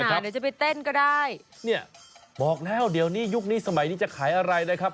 เดี๋ยวจะไปเต้นก็ได้เนี่ยบอกแล้วเดี๋ยวนี้ยุคนี้สมัยนี้จะขายอะไรนะครับ